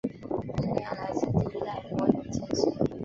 意念来自第一代模拟城市。